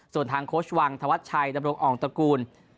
ส่วนทางโค้ชวังธวัชชัยดำรงอ่องตระกูล